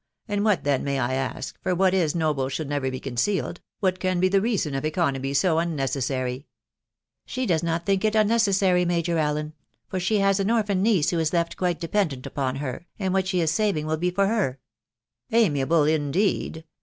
... And what, 'then, may I »ask .., .for what iis noble should never be concealed .... what can be the reason of economy so unnecessary? (C $he does not think 4t unnecessary, Major Allen ; for she has an orphan niece who is teftumite depemoeirt >upan her, and what she is saving will he for her/' Amiable indeed